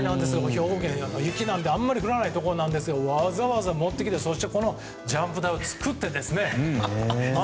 兵庫県、雪なんてあまり降らないところなんですがわざわざ持ってきてジャンプ台を作ってですね。